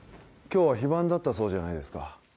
今日は非番だったそうじゃないですか